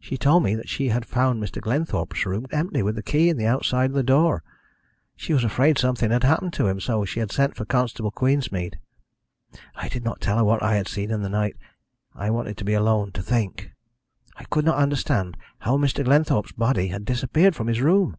She told me that she had found Mr. Glenthorpe's room empty, with the key in the outside of the door. She was afraid something had happened to him, so she had sent for Constable Queensmead. I did not tell her what I had seen in the night. I wanted to be alone, to think. I could not understand how Mr. Glenthorpe's body had disappeared from his room.